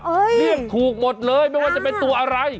เรียกถูกหมดเลยไม่ว่าจะเป็นตัวอะไร